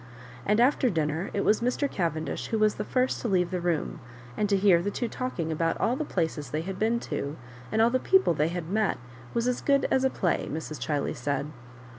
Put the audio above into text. And after dinner it was Mr. Cavendish who was the first to leave the room ; and to hear the two talking about all the places they had been to, and all the people they had mety was as good as a play, Mrs. Chiley said.